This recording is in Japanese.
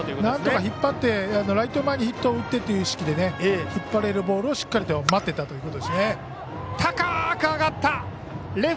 なんとか引っ張ってライト前にヒットを打ってという意識で引っ張れるボールをしっかり待ってたということです。